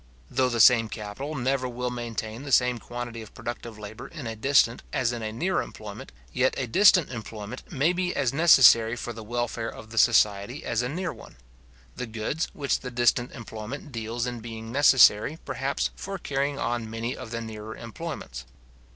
Though the same capital never will maintain the same quantity of productive labour in a distant as in a near employment, yet a distant employment maybe as necessary for the welfare of the society as a near one; the goods which the distant employment deals in being necessary, perhaps, for carrying on many of the nearer employments.